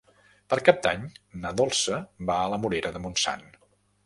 Per Cap d'Any na Dolça va a la Morera de Montsant.